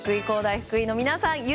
工大福井の皆さん